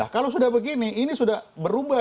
kalau sudah begini ini sudah berubah